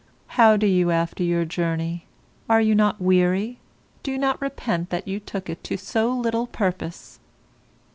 How do you after your journey; are you not weary; do you not repent that you took it to so little purpose?